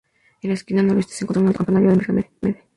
En la esquina noroeste se encuentra un alto campanario en pirámide.